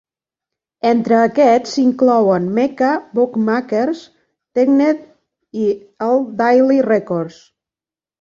Entre aquests s'incloïen Mecca Bookmakers, Tennent's i el Daily Record.